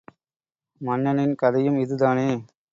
மன்னனின் கதையும் இதுதானே?